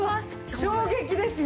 衝撃ですよ。